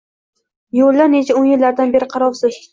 Yo‘llar necha o‘n yillardan beri qarovsiz.